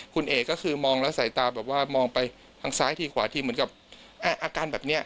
คุณเอกก็คือมองแล้วสายตาแบบว่ามองไปทางซ้ายทีขวาทีเหมือนกับอาการแบบนี้